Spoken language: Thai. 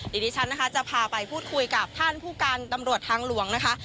เดี๋ยวดิฉันนะคะจะพาไปพูดคุยกับท่านผู้การตำรวจทางหลวงนะคะ